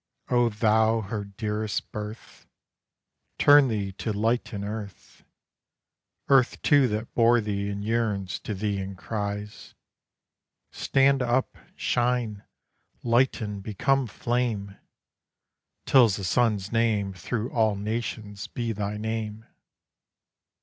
O thou her dearest birth, Turn thee to lighten earth, Earth too that bore thee and yearns to thee and cries; Stand up, shine, lighten, become flame, Till as the sun's name through all nations be thy name.